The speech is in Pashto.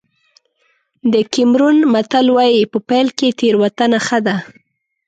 د کېمرون متل وایي په پيل کې تېروتنه ښه ده.